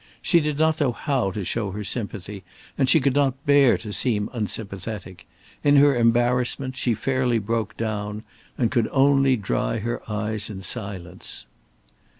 She did not know how to show her sympathy, and she could not bear to seem unsympathetic. In her embarrassment she fairly broke down and could only dry her eyes in silence.